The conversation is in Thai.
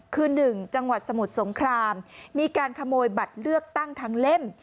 คือ๑จังหวัดสมุทรสงครามมีการขโมยบัตรเลือกตั้งทั้งเล่ม